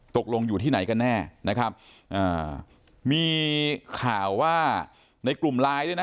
อยู่ที่ไหนกันแน่นะครับอ่ามีข่าวว่าในกลุ่มไลน์ด้วยนะ